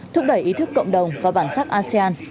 thúc đẩy ý thức cộng đồng và bản sắc asean